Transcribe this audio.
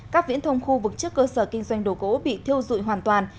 các viễn thông khu vực trước cơ sở kinh doanh đồ cố bị thiêu dụi hoàn toàn